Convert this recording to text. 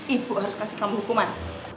ibu harus kasih kamu hukuman